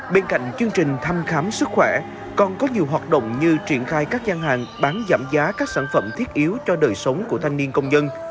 bên cạnh chương trình thăm khám sức khỏe còn có nhiều hoạt động như triển khai các gian hàng bán giảm giá các sản phẩm thiết yếu cho đời sống của thanh niên công nhân